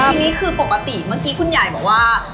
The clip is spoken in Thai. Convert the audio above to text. ทีนี้คือปกติเมื่อกี้คุณใหญ่บอกว่า